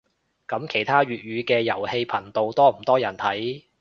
噉其他粵語嘅遊戲頻道多唔多人睇